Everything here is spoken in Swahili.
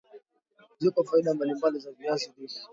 ziko faida mbali mbali za viazi lishe